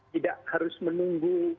tidak harus menunggu